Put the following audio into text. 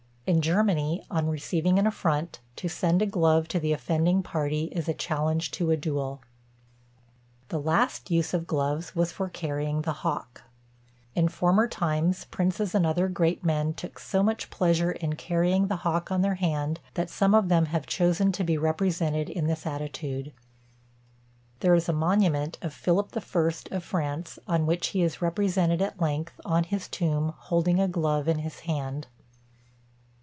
In Germany, on receiving an affront, to send a glove to the offending party is a challenge to a duel. The last use of gloves was for carrying the hawk. In former times, princes and other great men took so much pleasure in carrying the hawk on their hand, that some of them have chosen to be represented in this attitude. There is a monument of Philip the First of France, on which he is represented at length, on his tomb, holding a glove in his hand.